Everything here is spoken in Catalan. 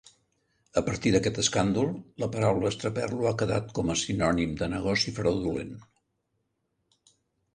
A partir d'aquest escàndol, la paraula estraperlo ha quedat com a sinònim de negoci fraudulent.